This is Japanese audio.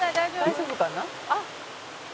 「大丈夫かな？」